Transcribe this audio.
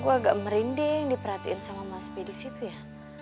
gue agak merinding diperhatiin sama mas b disitu ya